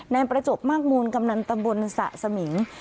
แนลประจบมากมูลกำหนังตามบนชาสมิง